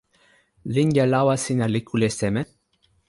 linja lawa sina li kule seme?